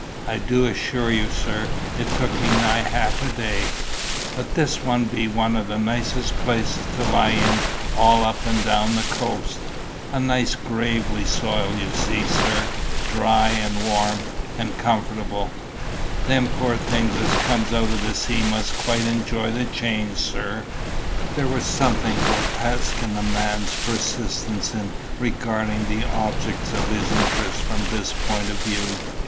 I du assure you, sir, it took me nigh half the day. But this be one of the nicest places to lie in all up and down the coast a nice gravelly soil, you see, sir; dry, and warm, and comfortable. Them poor things as comes out of the sea must quite enjoy the change, sir." There was something grotesque in the man's persistence in regarding the objects of his interest from this point of view.